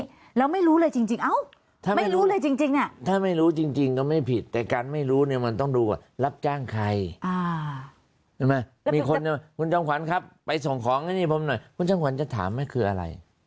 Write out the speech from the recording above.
แบบนี้แล้วไม่รู้เลยจริงไม่รู้เลยจริงถ้าไม่รู้จริงก็ไม่ผิดแต่การไม่รู้เนี่ยมันต้องดูกับรับจ้างใครมีคนว่าคุณจังขวัญครับไปส่งของให้ผมหน่อยคุณจังขวัญจะถามให้คืออะไร